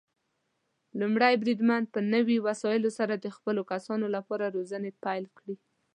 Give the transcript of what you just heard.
لومړی بریدمن په نوي وسايلو سره د خپلو کسانو لپاره روزنې پيل کړي.